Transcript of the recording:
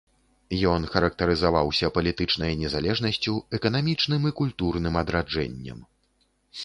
Ён характарызаваўся палітычнай незалежнасцю, эканамічным і культурным адраджэннем.